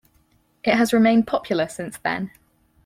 It has remained popular since then.